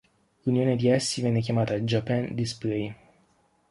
L'unione di essi venne chiamata Japan Display.